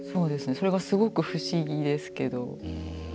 それがすごく不思議ですけど。